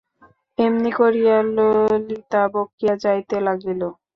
এমনি করিয়া ললিতা বকিয়া যাইতে লাগিল।